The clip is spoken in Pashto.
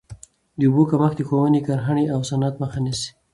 د اوبو کمښت د ښووني، کرهڼې او صنعت مخه نیسي.